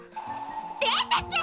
出てって！